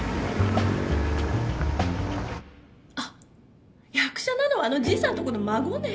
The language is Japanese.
あっ役者なのはあのじいさんとこの孫ね。